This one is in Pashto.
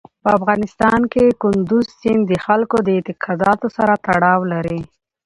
په افغانستان کې کندز سیند د خلکو د اعتقاداتو سره تړاو لري.